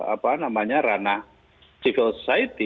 apa namanya ranah civil society